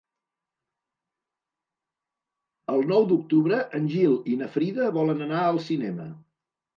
El nou d'octubre en Gil i na Frida volen anar al cinema.